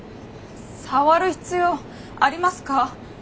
触る必要ありますか？